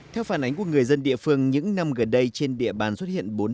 theo phản ánh của người dân địa phương những năm gần đây trên địa bàn xuất hiện